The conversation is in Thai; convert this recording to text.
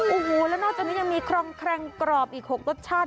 โอ้โหแล้วนอกจากนี้ยังมีครองแครงกรอบอีก๖รสชาติ